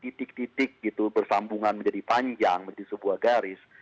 tidak ada titik titik bersambungan menjadi panjang menjadi sebuah garis